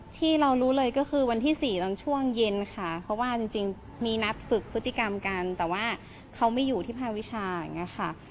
ที่เรารู้เลยก็คือวันที่๔ตอนช่วงเย็นค่ะเพราะว่าจริงมีนัดฝึกพฤติกรรมกันแต่ว่าเขาไม่อยู่ที่ภาควิชาอย่างนี้ค่ะ